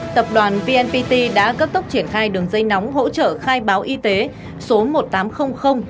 tập đoàn vnpt đã cấp tốc triển khai đường dây nóng hỗ trợ khai báo y tế số một nghìn tám trăm linh một nghìn một trăm một mươi chín